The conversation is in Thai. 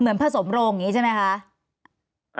เหมือนผสมโล่งนี้ใช่ไหมคะ